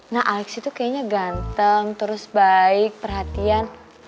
nah alex itu kayaknya ganteng terus baik perhatian